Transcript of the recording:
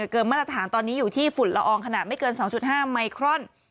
เกินมาตรฐานตอนนี้อยู่ที่ฝุ่นละอองขนาดไม่เกิน๒๕ไมครอน